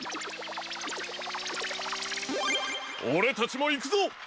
オレたちもいくぞ！